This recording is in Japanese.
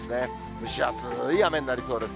蒸し暑い雨になりそうです。